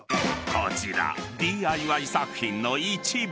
［こちらＤＩＹ作品の一部］